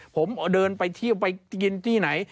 ผมเดินไปเที่ยวไปกินที่ไหน